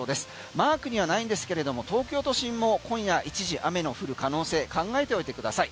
マークにはないんですけれども東京都心も今夜一時、雨の降る可能性、考えておいてください。